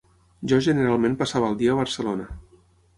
Jo generalment passava el dia a Barcelona